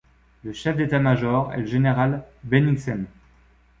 Le chef d’État-major est le général Benningsen.